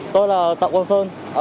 tôi là tạng quang sơn